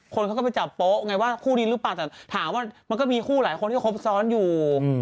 คนเขาก็ไปจับโป๊ะไงว่าคู่นี้หรือเปล่าแต่ถามว่ามันก็มีคู่หลายคนที่ครบซ้อนอยู่